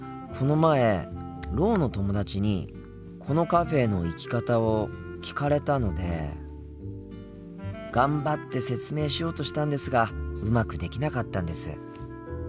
この前ろうの友達にこのカフェへの行き方を聞かれたので頑張って説明しようとしたんですがうまくできなかったんです。